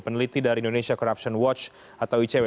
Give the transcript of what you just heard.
peneliti dari indonesia corruption watch atau icw